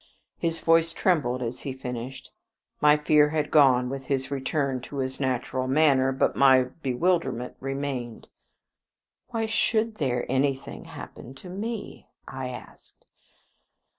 His voice trembled as he finished. My fear had gone with his return to his natural manner, but my bewilderment remained. "Why SHOULD there anything happen to me?" I asked.